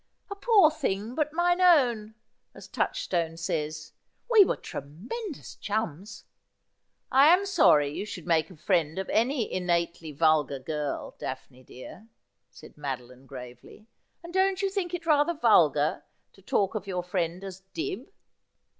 " A poor thing, but mine own," as Touchstone says. We were tremendous chums.' ' I am sorry you should make a friend of any innately vulgar girl. Daphne dear,' said Madoline gravely ;' and don't you think it rather vulgar to talk of your friend as Dibb